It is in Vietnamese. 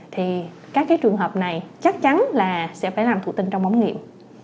thì các cái trường hợp này chắc chắn là sẽ phải làm thủ tinh trong ống nghiệm